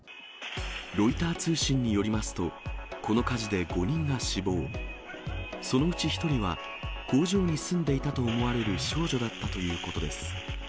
ロイター通信によりますと、この火事で５人が死亡、そのうち１人は工場に住んでいたと思われる少女だったということです。